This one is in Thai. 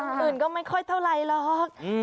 อื่นก็ไม่ค่อยเท่าไรหรอก